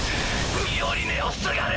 ミオリネをすがる！